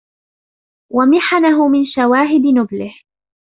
وَمِحَنَهُ مِنْ شَوَاهِدِ نُبْلِهِ